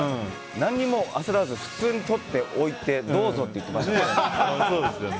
何も焦らず普通に取って置いてどうぞって言ってましたね。